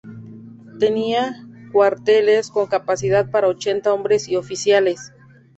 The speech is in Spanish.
Tenía cuarteles con capacidad para ochenta hombres y oficiales.